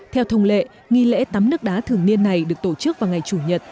theo thông lệ nghi lễ tắm nước đá thường niên này được tổ chức vào ngày chủ nhật